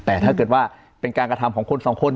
แต่ถ้าเกิดว่าเป็นการกระทำของคนสองคน